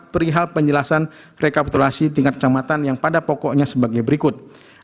perihal penjelasan rekapitulasi tingkat kecamatan yang pada pokoknya sebagai berikut